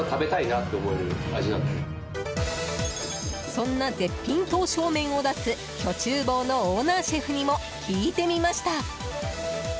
そんな絶品刀削麺を出す許厨房のオーナーシェフにも聞いてみました。